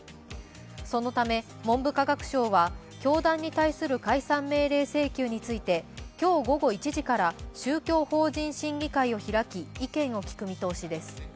そのため文部科学省は、教団に対する解散命令請求について今日午後１時から宗教法人審議会を開き、意見を聞く見通しです。